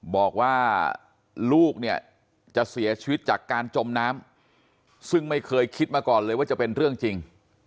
บอกว่าลูกเนี่ยจะเสียชีวิตจากการจมน้ำซึ่งไม่เคยคิดมาก่อนเลยว่าจะเป็นเรื่องจริง